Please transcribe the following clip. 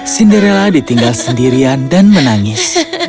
cinderella ditinggal sendirian dan menangis